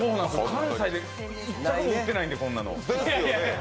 関西で１着も売ってないので、こんなの。